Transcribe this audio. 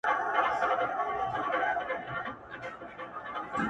• مُلا یې ولاړ سي د سر مقام ته -